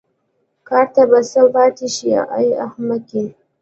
کار ته به څه پاتې شي ای احمقې.